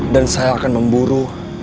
dan saya akan memburu